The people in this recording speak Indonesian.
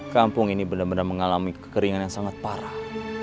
kampung ini benar benar mengalami kekeringan yang sangat parah